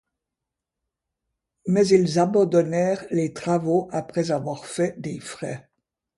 Mais ils abandonnèrent les travaux après avoir fait de frais.